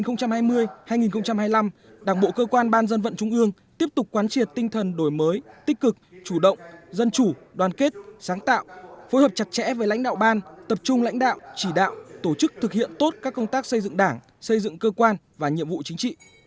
nhiệm kỳ hai nghìn hai mươi hai nghìn hai mươi năm đảng bộ cơ quan ban dân vận trung ương tiếp tục quán triệt tinh thần đổi mới tích cực chủ động dân chủ đoàn kết sáng tạo phối hợp chặt chẽ với lãnh đạo ban tập trung lãnh đạo chỉ đạo tổ chức thực hiện tốt các công tác xây dựng đảng xây dựng cơ quan và nhiệm vụ chính trị